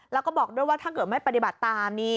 แล้วก็บอกด้วยว่าถ้าเกิดไม่ปฏิบัติตามนี่